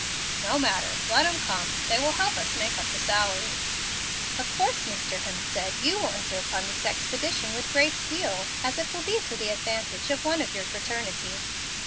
"No matter, let 'em come, they will help us make up the salary." "Of course, Mr. Hemstead, you will enter upon this expedition with great zeal, as it will be to the advantage of one of your fraternity."